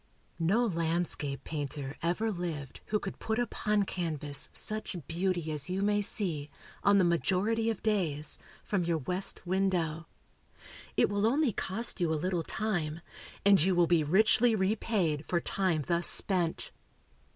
No landscape painter ever lived who could put upon canvas such beauty as you may see, on the majority of days, from your west window. It will only cost you a little time, and you will be richly repaid for time thus spent.